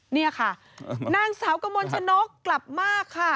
นี่ค่ะนางสาวกมลชนกกลับมากค่ะ